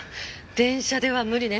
電車では無理ね。